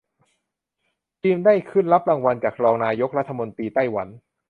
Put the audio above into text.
ทีมได้ขึ้นรับรางวัลจากรองนายกรัฐมนตรีไต้หวัน